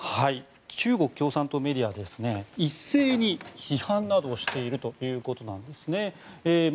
中国共産党メディアは一斉に批判などをしているということです。